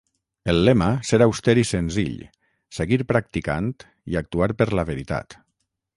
El lema "Ser auster i senzill, seguir practicant i actuar per la veritat".